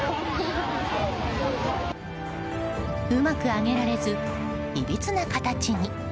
うまくあげられず、いびつな形に。